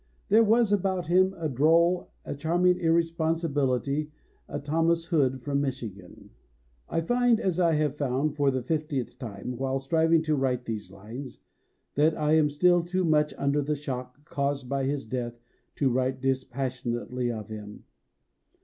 There was about him a droll, a charming irresponsibility a Thomas Hood from Michigan. I find, as I have found for the fiftieth time while striving to write these lines, that I am still too much under the shock caused by his death to write dispassionately of him.